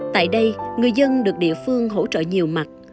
tại đây người dân được địa phương hỗ trợ nhiều mặt